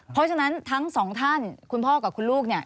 เพราะฉะนั้นทั้งสองท่านคุณพ่อกับคุณลูกเนี่ย